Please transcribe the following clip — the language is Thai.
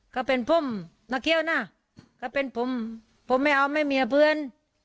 เขาเป็นพุ่มน้าเขียวนะเขาเป็นผมผมไม่เอาไม่มีเพื่อน